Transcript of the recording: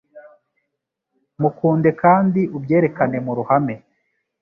Mukunde kandi ubyerekane muruhame